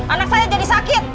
anak saya jadi sakit